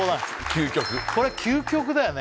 究極これ究極だよね